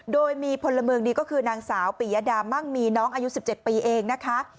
โดยมีพลเมืองดีก็คือนางสาวปิยดามั่งมีน้องอายุ๑๗ปีเองนะคะ